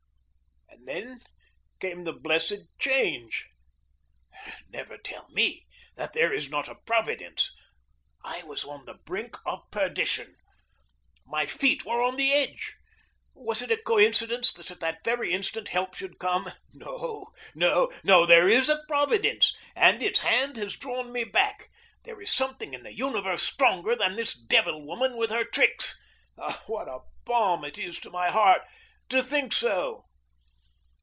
And then came the blessed change. Never tell me that there is not a Providence! I was on the brink of perdition. My feet were on the edge. Was it a coincidence that at that very instant help should come? No, no, no; there is a Providence, and its hand has drawn me back. There is something in the universe stronger than this devil woman with her tricks. Ah, what a balm to my heart it is to think so!